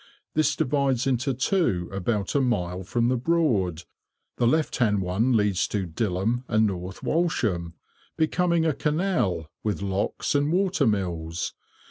This divides into two about a mile from the Broad; the left hand one leads to Dilham and North Walsham, becoming a canal, with locks and water mills.